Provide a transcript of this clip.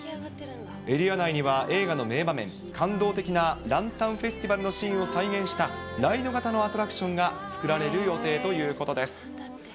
エリア内には映画の名場面、感動的なランタンフェスティバルのシーンを再現した、ライド型のアトラクションが作られる予定ということです。